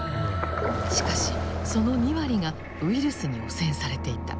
しかしその２割がウイルスに汚染されていた。